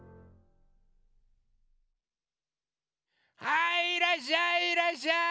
はいいらっしゃいいらっしゃい！